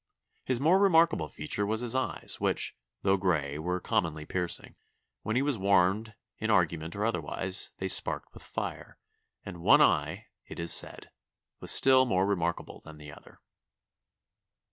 His more remarkable feature was his eyes which, though gray, were uncommonly piercing; when he was warmed in argument or otherwise, they sparked with fire, and one eye, it is said, was still more remarkable than the other."